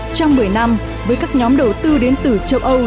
trong một mươi năm với các nhóm đầu tư đến từ châu âu